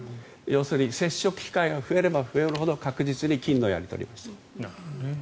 要するに接触機会が増えれば増えるほど確実に菌のやり取りをする。